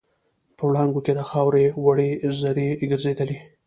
په وړانګو کې د خاوور وړې زرې ګرځېدې.